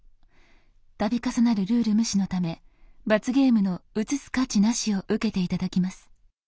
度重なるルール無視のため罰ゲームの「映す価値なし」を受けて頂きます。